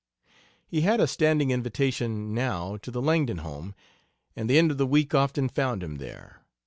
He had a standing invitation now to the Langdon home, and the end of the week often found him there.